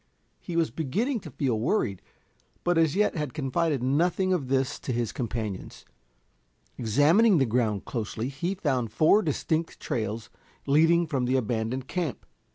He was beginning to feel worried, but as yet had confided nothing of this to his companions. Examining the ground closely he found four distinct trails leading from the abandoned camp.